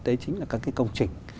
đấy chính là các công trình